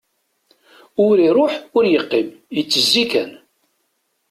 Ur iṛuḥ ur yeqqim, yettezzi kan.